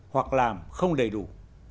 hoặc làm không đầy đủ